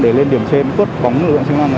để lên điểm trên quất bóng lực lượng chức năng